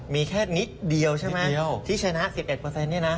มีแค่นิดเดียวใช่ไหมที่ชนะ๑๑นี่นะ